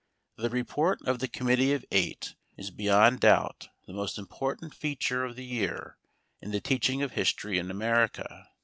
The report of the Committee of Eight is beyond doubt the most important feature of the year in the teaching of history in America.